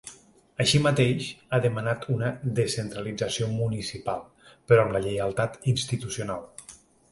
Així mateix, ha demanat una ‘descentralització municipal, però amb lleialtat institucional’.